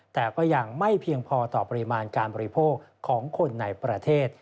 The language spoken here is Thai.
แต่ก็ยังไม่เพียงพอต่อปริมาณการบริโภคของคนในประเทศ